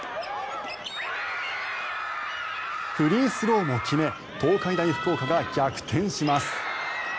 フリースローも決め東海大福岡が逆転します。